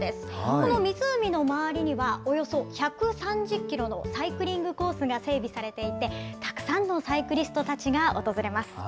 この湖の周りには、およそ１３０キロのサイクリングコースが整備されていて、たくさんのサイクリストたちが訪れます。